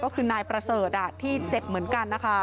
ก็คือนายประเสริฐที่เจ็บเหมือนกันนะคะ